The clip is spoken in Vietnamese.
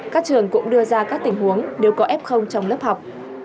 các trường cũng đưa ra các tình huống đều có ép không trong lớp học